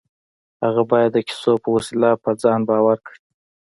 هغه بايد د کيسو په وسيله پر ځان باور کړي.